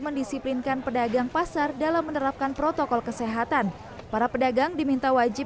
mendisiplinkan pedagang pasar dalam menerapkan protokol kesehatan para pedagang diminta wajib